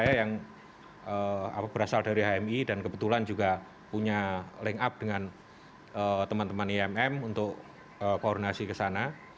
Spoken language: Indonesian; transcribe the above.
saya yang berasal dari hmi dan kebetulan juga punya link up dengan teman teman imm untuk koordinasi ke sana